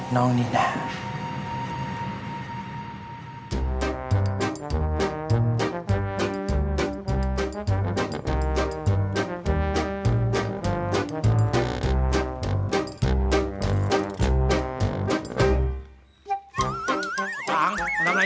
มาโตมาทำอะไร